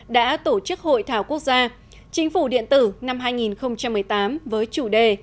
đã tổ chức hội thảo quốc gia chính phủ điện tử năm hai nghìn một mươi tám với chủ đề